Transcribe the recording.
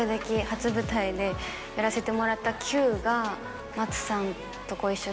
初舞台でやらせてもらった『Ｑ』が松さんとご一緒して。